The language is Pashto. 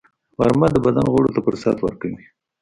غرمه د بدن غړو ته فرصت ورکوي